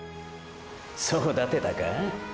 育てたかぁ？